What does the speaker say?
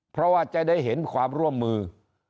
เพราะว่าจะได้เห็นความร่วมมือ